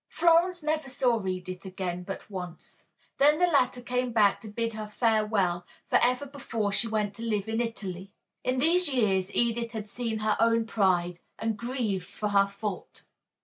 Florence never saw Edith again but once. Then the latter came back to bid her farewell for ever before she went to live in Italy. In these years Edith had seen her own pride and grieved for her fault.